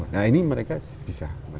nah ini mereka bisa